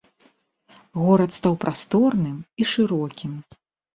Горад стаў прасторным і шырокім.